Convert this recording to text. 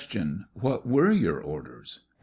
What were your orders ? A.